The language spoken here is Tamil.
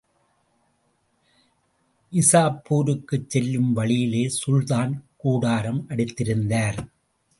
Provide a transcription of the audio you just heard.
நிசாப்பூருக்குச் செல்லும் வழியிலே சுல்தான் கூடாரம் அடித்திருந்தார்.